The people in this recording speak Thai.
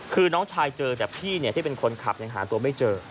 คือน้องชายเจอแต่พี่ที่เป็นคนขับยังหาตัวไม่เจอ